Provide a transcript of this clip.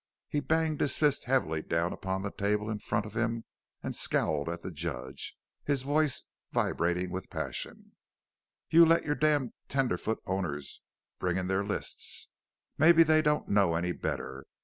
He banged his fist heavily down upon the table in front of him and scowled at the Judge, his voice vibrating with passion: "You let your damned tenderfoot owners bring in their lists. Mebbe they don't know any better.